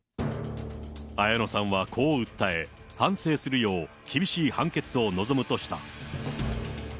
綾野さんはこう訴え、反省するよう厳しい判決を望むとした。